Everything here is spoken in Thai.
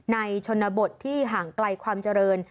ชนบทที่ห่างไกลความเจริญ